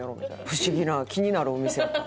不思議な気になるお店やった。